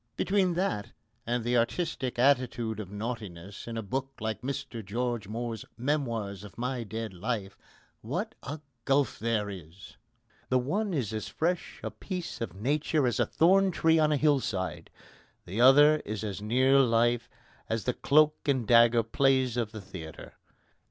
Between that and the artistic attitude of naughtiness in a book like Mr George Moore's Memoirs of My Dead Life, what a gulf there is! The one is as fresh a piece of nature as a thorn tree on a hill side; the other is as near life as the cloak and dagger plays of the theatre.